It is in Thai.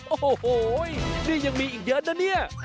โอ้โหนี่ยังมีอีกเยอะนะเนี่ย